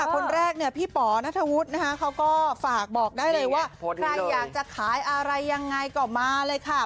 คนแรกเนี่ยพี่ป๋อนัทธวุฒินะคะเขาก็ฝากบอกได้เลยว่าใครอยากจะขายอะไรยังไงก็มาเลยค่ะ